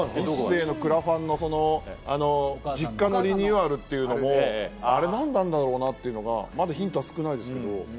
クラファンの、実家のリニューアル、あれ何なんだろうなぁっていうのがまだヒントは少ないですけど。